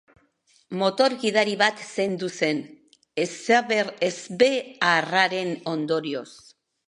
Motor gidari bat zendu zen ezbeharraren ondorioz.